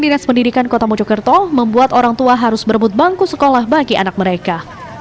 dinas pendidikan kota mojokerto membuat orang tua harus berebut bangku sekolah bagi anak mereka